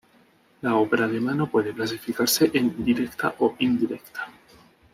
La obra de mano puede clasificarse en directa o indirecta.